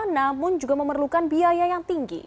namun juga memerlukan biaya yang tinggi